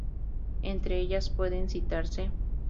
Entre ellas pueden citarse